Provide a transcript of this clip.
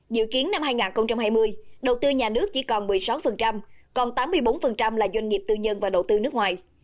dự kiến năm hai nghìn hai mươi đầu tư nhà nước chỉ còn một mươi sáu còn tám mươi bốn là doanh nghiệp tư nhân và đầu tư nước ngoài